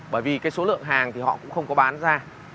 bởi vì cái số lượng hàng thì họ cũng không có bán ra